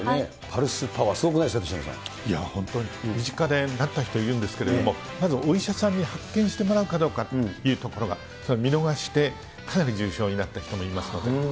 パルスパワー、いや、本当に、身近でなった人いるんですけれども、まずお医者さんに発見してもらうかどうかというところが、見のがして、かなり重症になった人もいますので。